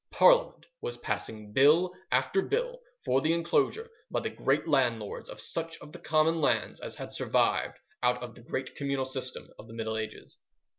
Parliament was passing Bill after Bill for the enclosure by the great landlords of such of the common lands as had survived out of the great communal system of the Middle Ages.